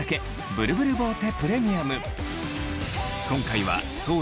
ブルブルボーテプレミアム